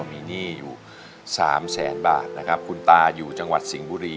มีหนี้อยู่๓แสนบาทนะครับคุณตาอยู่จังหวัดสิงห์บุรี